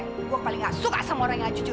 gue paling gak suka sama orang yang gak cucu